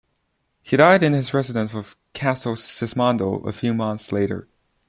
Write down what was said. He died in his residence of Castel Sismondo a few months later.